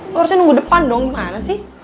lo harusnya nunggu depan dong gimana sih